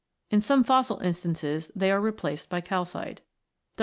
In some fossil instances, they are replaced by calcite.